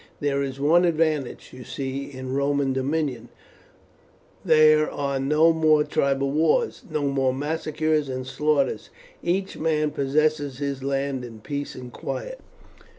There is one advantage, you see, in Roman dominion there are no more tribal wars, no more massacres and slaughters, each man possesses his land in peace and quiet."